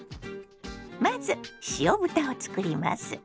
まず塩豚を作ります。